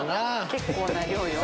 結構な量よ。